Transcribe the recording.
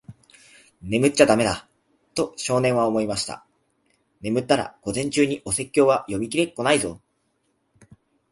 「眠っちゃだめだ。」と、少年は思いました。「眠ったら、午前中にお説教は読みきれっこないぞ。」